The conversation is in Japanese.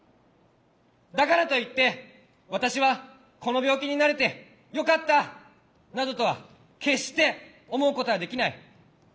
だからといって私はこの病気になれてよかったなどとは決して思うことはできない。